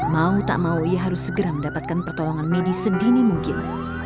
mau tak mau ia harus segera mendapatkan pertolongan medis sedini mungkin